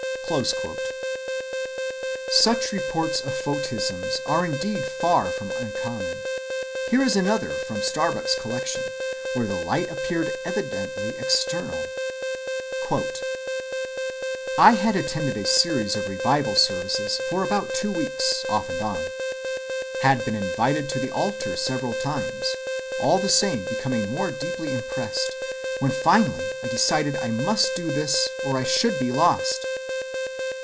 (138) Such reports of photisms are indeed far from uncommon. Here is another from Starbuck's collection, where the light appeared evidently external:— "I had attended a series of revival services for about two weeks off and on. Had been invited to the altar several times, all the time becoming more deeply impressed, when finally I decided I must do this, or I should be lost.